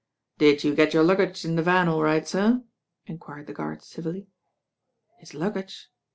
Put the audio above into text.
Did you get your luggage in the van aU right, sir? enquired the guard civilly. His luggage?